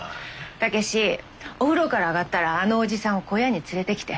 武志お風呂から上がったらあのおじさんを小屋に連れてきて。